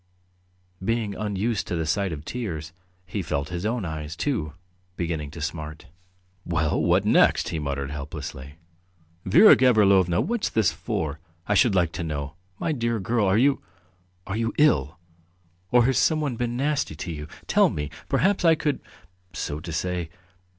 Being unused to the sight of tears, he felt his own eyes, too, beginning to smart. "Well, what next!" he muttered helplessly. "Vera Gavrilovna, what's this for, I should like to know? My dear girl, are you ... are you ill? Or has someone been nasty to you? Tell me, perhaps I could, so to say